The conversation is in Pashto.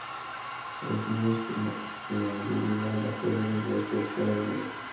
وزني استنادي دیوال د خپل وزن په واسطه فشار زغمي